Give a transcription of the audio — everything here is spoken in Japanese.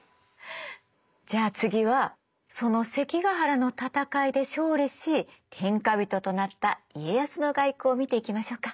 じゃあ次はその関ヶ原の戦いで勝利し天下人となった家康の外交を見ていきましょうか。